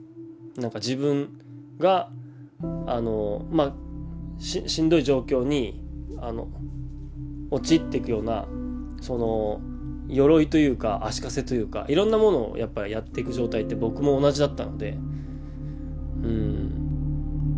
自分がしんどい状況に陥っていくような鎧というか足かせというかいろんなものをやっていく状態って僕も同じだったので。